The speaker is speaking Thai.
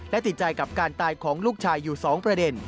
และติดใจกับการตายของลูกชายอยู่๒ประเด็น